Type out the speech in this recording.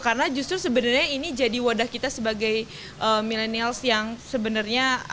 karena justru sebenarnya ini jadi wadah kita sebagai millennials yang sebenarnya